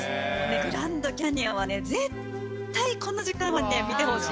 グランドキャニオンはね、絶対この時間は見てほしい。